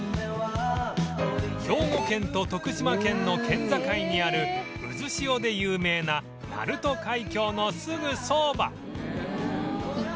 兵庫県と徳島県の県境にあるうずしおで有名な鳴門海峡のすぐそば